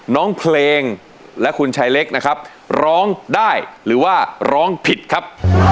น้องเพลงและคุณชายเล็กนะครับร้องได้หรือว่าร้องผิดครับ